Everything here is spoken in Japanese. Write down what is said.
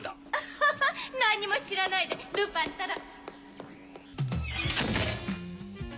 フフフ何も知らないでルパンったら。